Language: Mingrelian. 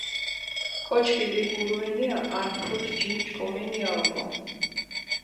კოჩ ქიდიგურუენია ართ ფუთ ჯიმ ჭკუმენია ოკო.